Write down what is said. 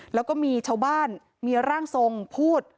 แล้วก็มีชาวบ้านมีร่างทรงพูด